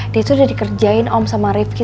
dia tuh udah dikerjain om sama rifki